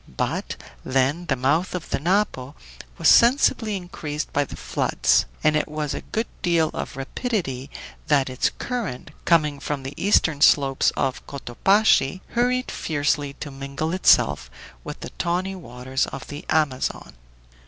But then the mouth of the Napo was sensibly increased by the floods and it was with a good deal of rapidity that its current, coming from the eastern slopes of Cotopaxi, hurried fiercely to mingle itself with the tawny waters of the Amazon.